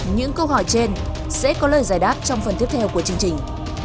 những câu hỏi trên sẽ có lời giải đáp trong phần tiếp theo của chương trình